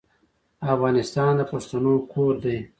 افغانستان د پښتنو کور دی.